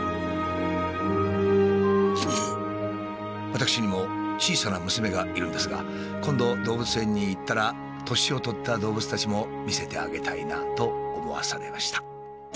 私にも小さな娘がいるんですが今度動物園に行ったら年を取った動物たちも見せてあげたいなと思わされました。